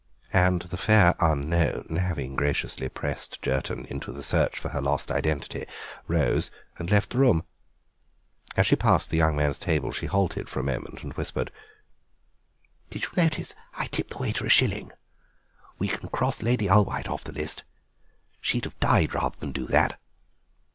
And the Fair Unknown, having graciously pressed Jerton into the search for her lost identity, rose and left the room. As she passed the young man's table she halted for a moment and whispered: "Did you notice that I tipped the waiter a shilling? We can cross Lady Ulwight off the list; she would have died rather than do that."